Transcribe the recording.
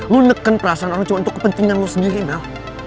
lo neken perasaan orang cuma untuk kepentingan lo sendiri mel